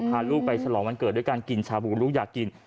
พาลูกไปฉลองวันเกิดด้วยการกินชาบูลูกอยากกิน